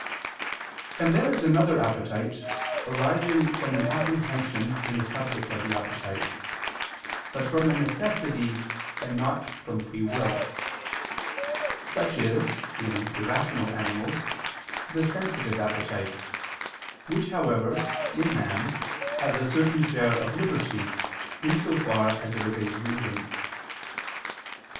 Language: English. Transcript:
And there is another appetite arising from an apprehension in the subject of the appetite, but from necessity and not from free will. Such is, in irrational animals, the sensitive appetite, which, however, in man, has a certain share of liberty, in so far as it obeys reason.